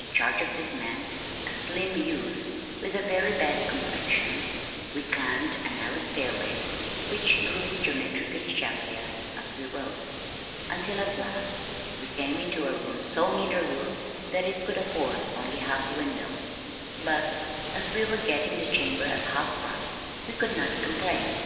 In charge of this man, a slim youth, with a very bad complexion, we climbed a narrow stairway (which grew geometrically shabbier as we rose) until, at last, we came into a room so near the roof that it could afford only half windows but as we were getting the chamber at half price we could not complain.